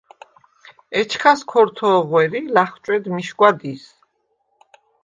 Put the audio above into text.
ეჩქას ქორთ’ო̄ღუ̂ერ ი ლა̈ხუ̂ჭუ̂ედ მიშგუ̂ა დის.